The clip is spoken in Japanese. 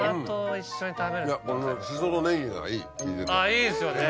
いいですよね。